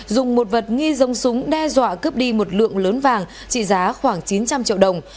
dùng một vật nghi giống súng đe dọa cướp đi một lượng lớn vàng trị giá khoảng chín trăm linh triệu đồng